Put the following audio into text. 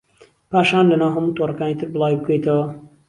پاشان لەناو هەموو تۆڕەکانی تر بڵاوی بکەیتەوە